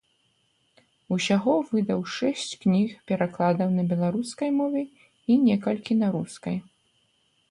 Усяго выдаў шэсць кніг перакладаў на беларускай мове і некалькі на рускай.